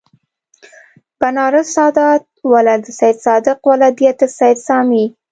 بنارس سادات ولد سیدصادق ولدیت سید سامي